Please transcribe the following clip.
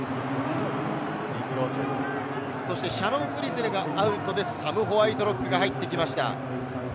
シャノン・フリゼルがアウトでサム・ホワイトロックが入ってきました。